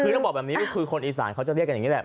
ต้องบอกแบบนี้คือคนอีสานเขาจะเรียกแบบนี้แหละ